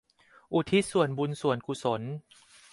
อุทิศส่วนบุญส่วนกุศล